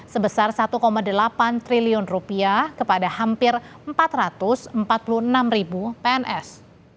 sebesar rp satu delapan triliun kepada hampir empat ratus empat puluh enam pns